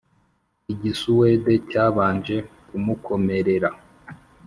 igisuwede cyabanje kumukomerera